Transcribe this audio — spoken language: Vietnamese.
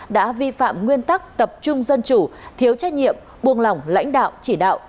đã vi phạm nguyên tắc tập trung dân chủ thiếu trách nhiệm buông lỏng lãnh đạo chỉ đạo